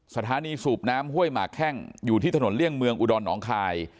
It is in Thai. สถานีสูบน้ำห้วยหมากแข้งอยู่ที่ถนนเลี่ยงเมืองอุดรหนองคาย